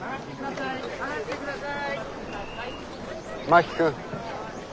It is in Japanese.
真木君。